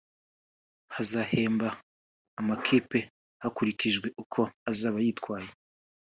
hazahemba amakipe hakurikijwe uko azaba yitwaye